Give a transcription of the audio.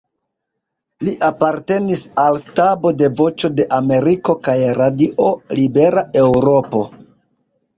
Li apartenis al stabo de Voĉo de Ameriko kaj Radio Libera Eŭropo.